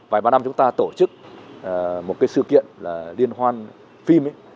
vài ba năm chúng ta tổ chức một sự kiện liên hoan phim